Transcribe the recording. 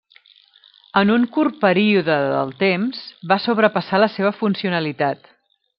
En un curt període del temps va sobrepassar la seva funcionalitat.